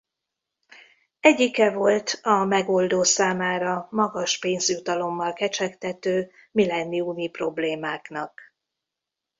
Egyike volt a megoldó számára magas pénzjutalommal kecsegtető millenniumi problémáknak.